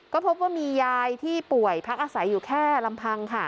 ก็พบว่ามียายที่ป่วยพักอาศัยอยู่แค่ลำพังค่ะ